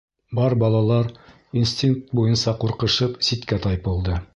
Бар балалар инстинкт буйынса ҡурҡышып ситкә тайпылды.